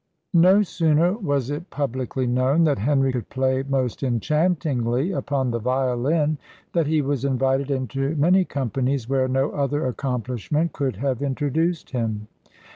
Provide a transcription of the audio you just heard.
No sooner was it publicly known that Henry could play most enchantingly upon the violin, than he was invited into many companies where no other accomplishment could have introduced him.